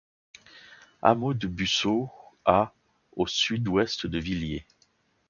Hameau de Busseau, à au sud-ouest de Villiers.